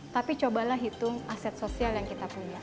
kekini memperbaikkan modal yang kita punya